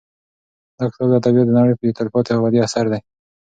دا کتاب د ادبیاتو د نړۍ یو تلپاتې او ابدي اثر دی.